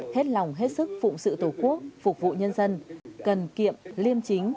hết lòng hết sức phụng sự tổ quốc phục vụ nhân dân cần kiệm liêm chính